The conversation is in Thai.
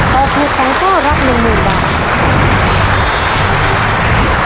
ตอบถูกสามข้อรับหนึ่งหมื่นบาท